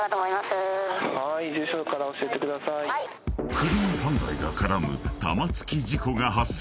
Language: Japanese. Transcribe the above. ［車３台が絡む玉突き事故が発生］